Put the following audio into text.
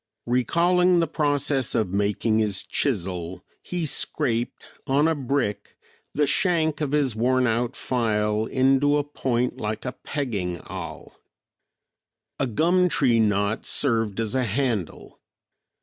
Recalling the process of making his chisel, he scraped, on a brick, the shank of his worn out file into a point like a pegging awl. A gum tree knot served as a handle.